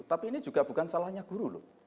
tapi ini juga bukan salahnya guru loh